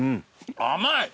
甘い！